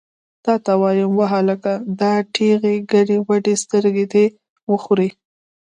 تا ته وایم، وهلکه! دا ټېغې ګډې وډې سترګې دې وخورې!